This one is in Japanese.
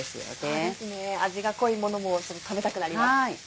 そうですね味が濃いものもちょっと食べたくなります。